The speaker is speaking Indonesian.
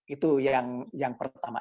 itu yang pertama